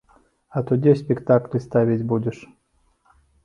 А то дзе спектаклі ставіць будзеш?